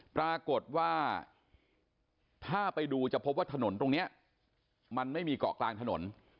ปรากฏว่าถ้าไปดูจะพบว่าถนนตรงนี้มันไม่มีเกาะกลางถนน